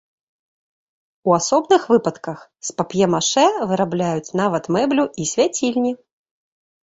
У асобных выпадках з пап'е-машэ вырабляюць нават мэблю і свяцільні.